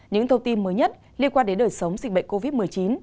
những thông tin mới nhất liên quan đến đời sống dịch bệnh covid một mươi chín